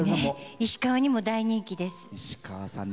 石川にも大人気です。